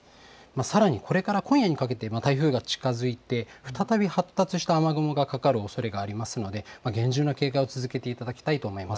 さらにこれから今夜にかけて台風が近づいて、再び発達した雨雲がかかるおそれがありますので、厳重な警戒を続けていただきたいと思います。